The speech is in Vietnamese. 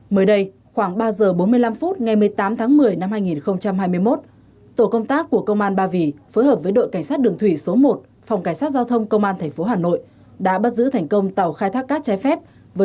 mới đây khoảng ba giờ bốn mươi năm phút ngày một mươi tám tháng một mươi năm hai nghìn hai mươi một tổ công tác của công an ba vì phối hợp với đội cảnh sát đường thủy số một phòng cảnh sát giao thông công an tp hà nội đã bắt giữ thành công tàu khai thác cát trái phép